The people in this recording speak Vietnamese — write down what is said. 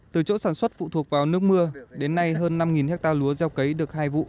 từ chỗ sản xuất phụ thuộc vào nước mưa đến nay hơn năm hectare lúa gieo cấy được hai vụ